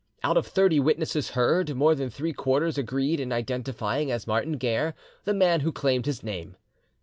Out of thirty witnesses heard, more than three quarters agreed in identifying as Martin Guerre the man who claimed his name.